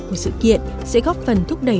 của sự kiện sẽ góp phần thúc đẩy